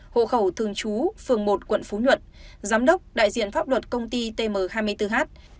hộ khẩu thường trú phường một quận phú nhuận giám đốc đại diện pháp luật công ty tm hai mươi bốn h